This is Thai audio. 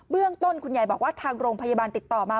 ต้นคุณยายบอกว่าทางโรงพยาบาลติดต่อมา